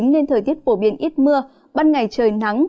nên thời tiết phổ biến ít mưa ban ngày trời nắng